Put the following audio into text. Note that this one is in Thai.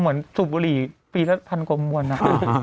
เหมือนสูตรบุหรี่ปีละทันกว่าวมวลน่ะ